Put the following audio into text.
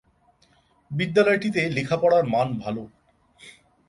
বিদ্যালয়টিতে লেখা পড়ার মান ভাল।